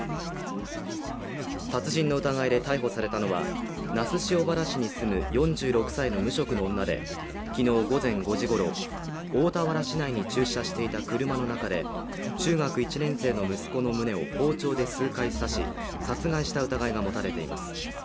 殺人の疑いで逮捕されたのは那須塩原市に住む４６歳の無職の女で昨日午前５時ごろ、大田原市内に駐車していた車の中で中学１年生の息子の胸を包丁で数回刺し殺害した疑いが持たれています。